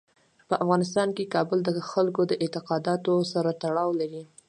په افغانستان کې کابل د خلکو د اعتقاداتو سره تړاو لري.